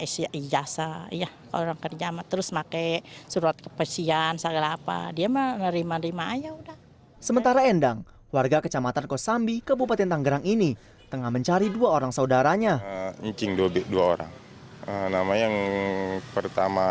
sementara endang warga kecamatan kosambi kabupaten tanggerang ini tengah mencari dua orang saudaranya